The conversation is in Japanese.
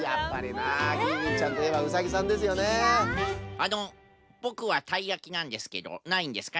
あのボクはたいやきなんですけどないんですか？